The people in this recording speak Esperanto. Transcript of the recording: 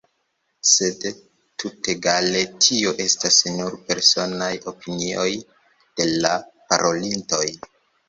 Sed tutegale tio estas nur personaj opinioj de la parolintoj.